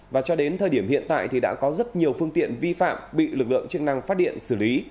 và cho đến thời điểm hiện tại thì đã có rất nhiều phương tiện vi phạm bị lực lượng chức năng phát điện xử lý